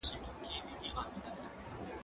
زه مخکي شګه پاکه کړې وه؟